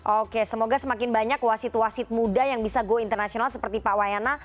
oke semoga semakin banyak wasit wasit muda yang bisa go internasional seperti pak wayana